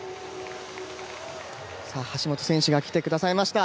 橋本選手が来てくださいました。